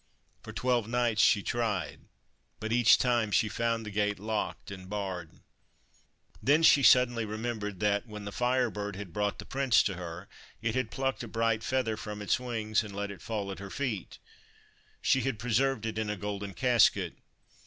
For twelve nights she tried, but each time she found the gate locked and barred. Then she suddenly remembered that, when the Fire Bird had brought the Prince to her, it had plucked a bright feather from its wing and let it fall at her feet. She had preserved it in a golden casket.